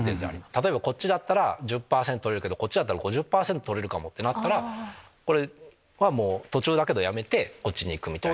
例えばこっちだったら１０％いるけどこっちだったら５０％取れるかもってなったらこれは途中だけどやめてこっちにいく！みたいな。